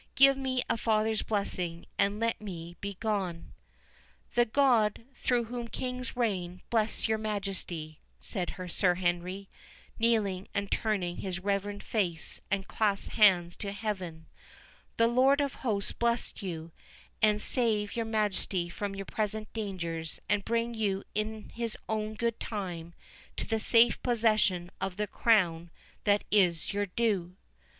Give me a father's blessing, and let me be gone." "The God, through whom kings reign, bless your Majesty," said Sir Henry, kneeling and turning his reverend face and clasped hands up to Heaven—"The Lord of Hosts bless you, and save your Majesty from your present dangers, and bring you in his own good time to the safe possession of the crown that is your due!"